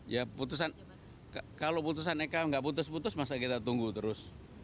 dan itu adalah hal yang harus diketahui